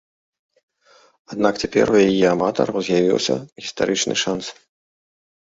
Аднак цяпер у яе аматараў з'явіўся гістарычны шанс.